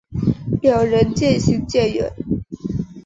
两人渐行渐远